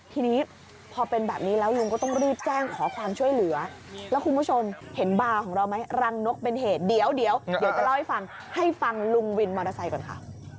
ทีนี้พอเป็นแบบนี้แล้วลุงก็ต้องรีบแจ้งขอความช่วยเหลือแล้วคุณผู้ชมเห็นบาร์ของเราไหมรังนกเป็นเหตุเดี๋ยวจะเล่าให้ฟังให้ฟังลุงวินมอเตอร์ไซค์ก่อนค่ะ